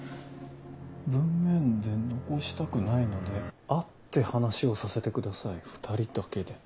「文面で残したくないので会って話をさせてください二人だけで」。